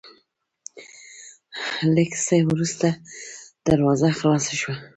لېږ څه ورورسته دروازه خلاصه شوه،